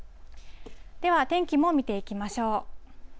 では天気も見ていきましょう。